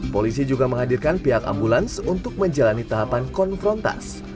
polisi juga menghadirkan pihak ambulans untuk menjalani tahapan konfrontas